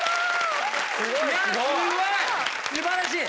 すごい。